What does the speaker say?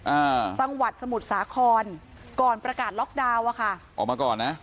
อ่าจังหวัดสมุทรสาครก่อนประกาศล็อกดาวน์อ่ะค่ะออกมาก่อนนะ